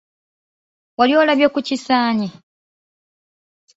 Wali olabye ku kisaanyi?